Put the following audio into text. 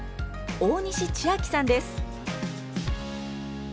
大西千晶さんです。